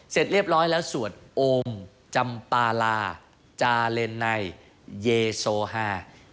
เสร็จเรียบร้อยแล้วสวทธิ์โอมจำปาลาจาเรนในสาหรันต์เยซูฮา